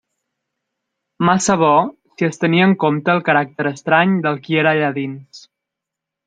Massa bo, si es tenia en compte el caràcter estrany del qui era allà dins.